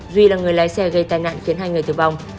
duy là người lái xe gây tai nạn khiến hai người tử vong